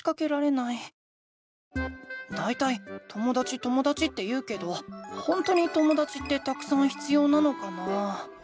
だいたいともだちともだちって言うけどほんとにともだちってたくさん必要なのかな？